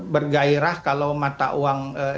bergairah kalau mata uang